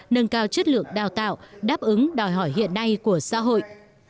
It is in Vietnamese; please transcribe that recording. nâng cao chất lượng đào tạo đáp ứng đòi hỏi hiện nay của xã hội